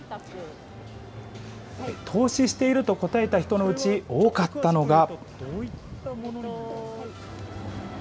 投資していると答えた人のうち、多かったのが。